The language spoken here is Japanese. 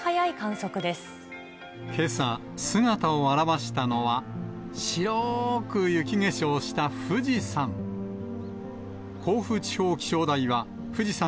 けさ、姿を現したのは、白く雪化粧した富士山。